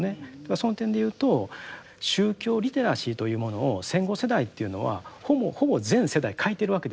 その点で言うと宗教リテラシーというものを戦後世代というのはほぼほぼ全世代欠いてるわけですよ。